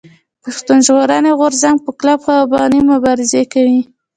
پښتون ژغورني غورځنګ په کلک افغاني مبارزه کوي.